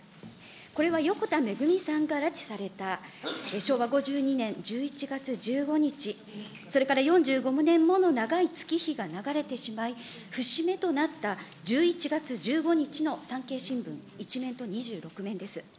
これは横田めぐみさんが拉致された、昭和５２年１１月１５日、それから４５年もの長い月日が流れてしまい、節目となった１１月１５日の産経新聞１面と２６面です。